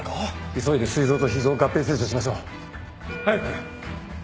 急いで膵臓と脾臓を合併切除しましょう。早く！